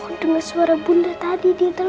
aku denger suara bunda tadi di telepon